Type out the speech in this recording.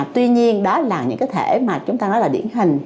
tuy nhiên đó là những cái thể mà chúng ta nói là điển hình